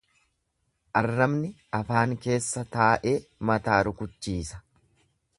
Arrabni afaan keessa taa'ee mataa rukuchiisa.